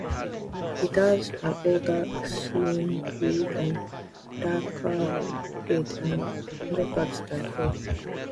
It has an all dark, slim bill, and darker head and upperparts than Cory's.